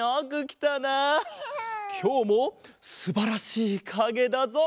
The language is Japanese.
きょうもすばらしいかげだぞ！